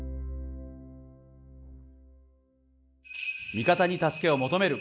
味方に助けを求める！